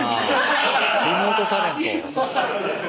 リモートタレント。